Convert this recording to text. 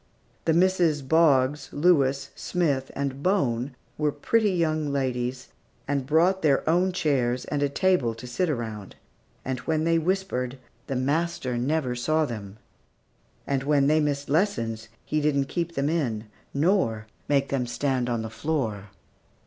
The Misses Boggs, Lewis, Smith, and Bone were pretty young ladies, and brought their own chairs and a table to sit around; and when they whispered, the master never saw them; and when they missed in lessons, he didn't keep them in, nor make them stand on the floor.